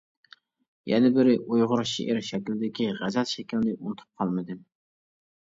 يەنە بىرى، ئۇيغۇر شېئىر شەكلىدىكى غەزەل شەكلىنى ئۇنتۇپ قالمىدىم.